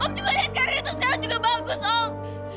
om juga lihat karirnya tuh sekarang juga bagus om